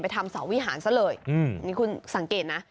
ทำสาววิหารซะเลยนี่คุณสังเกตนะ